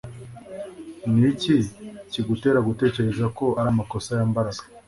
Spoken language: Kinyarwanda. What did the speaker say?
Ni iki kigutera gutekereza ko ari amakosa ya Mbaraga